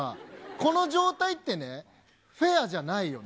この状態ってね、フェアじゃないよね。